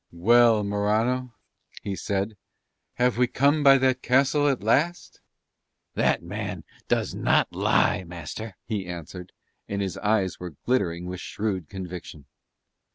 "Well, Morano," he said, "have we come by that castle at last?" "That man does not lie, master," he answered: and his eyes were glittering with shrewd conviction.